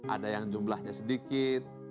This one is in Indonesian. ada yang jumlahnya sedikit